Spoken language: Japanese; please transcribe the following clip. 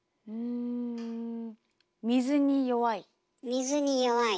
水に弱い。